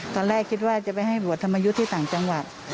ตอนแรกคิดว่าจะไปให้บวชธรรมยุทธ์ที่ต่างจังหวัด